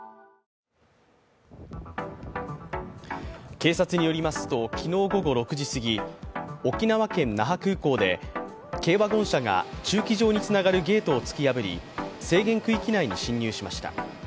警察によりますと昨日午後６時すぎ、沖縄県・那覇空港で軽ワゴン車が駐機場につながるゲートを突き破り制限区域内に侵入しました。